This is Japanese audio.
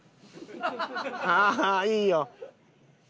ああいいよ。